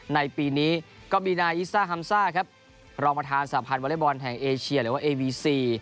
ในปีนี้ก็มีนายอิซ่าฮัมซ่าครับรองประธานสาพันธ์วอเล็กบอลแห่งเอเชียหรือว่าเอวีซี